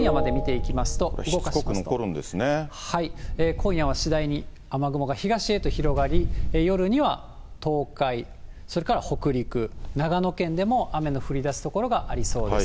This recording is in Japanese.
今夜は次第に雨雲が東へと広がり、夜には東海、それから北陸、長野県でも雨の降りだす所がありそうです。